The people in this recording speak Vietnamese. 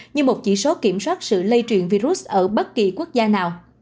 như một chỉ số kiểm soát sự lây truyền virus ở bất kỳ quốc gia nào